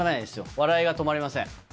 笑いが止まりません。